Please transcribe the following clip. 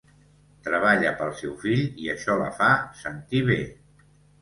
Treballa pel seu fill i això la fa sentir bé.